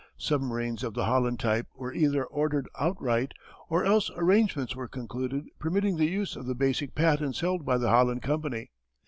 Submarines of the Holland type were either ordered outright, or else arrangements were concluded permitting the use of the basic patents held by the Holland Company.